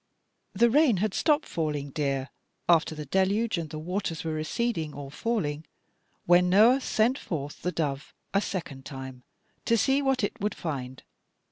"The rain had stopped falling, dear, after the deluge, and the waters were receding, or falling, when Noah sent forth the dove a second time to see what it would find.